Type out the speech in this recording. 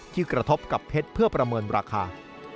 กระทบกับเพชรเพื่อประเมินราคา